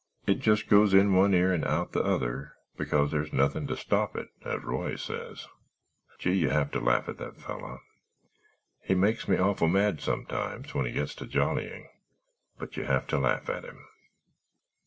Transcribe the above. It just goes in one ear and out the other—because there's nothing to stop it, as Roy says. Gee, you have to laugh at that feller. He makes me awful mad sometimes—when he gets to jollying—but you have to laugh at him."